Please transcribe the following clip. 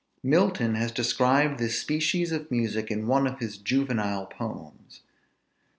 Milton has described this species of music in one of his juvenile poems.